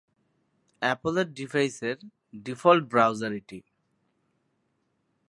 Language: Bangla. অ্যাপলের ডিভাইসের ডিফল্ট ব্রাউজার এটি।